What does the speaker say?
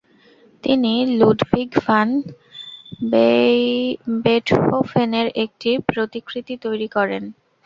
তিনি Ludwig van বেটহোফেনের একটি প্রতিকৃতি তৈরী করেন।